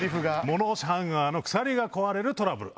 物干しハンガーの鎖が壊れるトラブル。